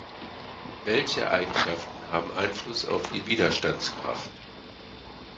Welche Eigenschaften haben Einfluss auf die Widerstandskraft?